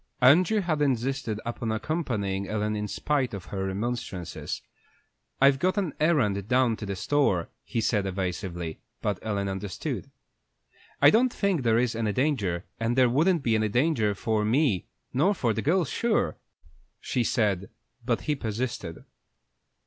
Andrew had insisted upon accompanying Ellen in spite of her remonstrances. "I've got an errand down to the store," he said, evasively; but Ellen understood. "I don't think there is any danger, and there wouldn't be any danger for me not for the girls, sure," she said; but he persisted.